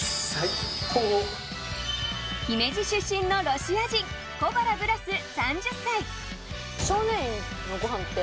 姫路出身のロシア人小原ブラス、３０歳。